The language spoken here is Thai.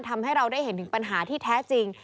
ทำให้เราได้เห็นถึงปัญหาที่แท้จริง